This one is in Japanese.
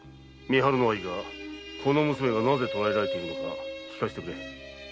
見張るのはいいがこの娘がなぜ捕えられているのか聞かせてくれ。